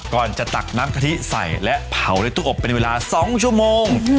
ก่อนจะตักน้ำกะทิใส่และเผาด้วยตู้อบเป็นเวลา๒ชั่วโมง